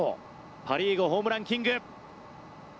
パ・リーグホームランキング。